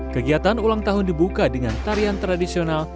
kegiatan ulang tahun dibuka dengan tarian tradisional